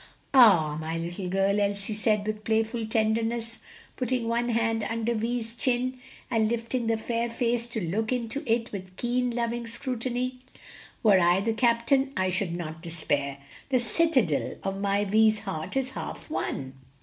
"Ah, my little girl!" Elsie said, with playful tenderness, putting one hand under Vi's chin, and lifting the fair face to look into it with keen, loving scrutiny, "were I the captain, I should not despair; the citadel of my Vi's heart is half won."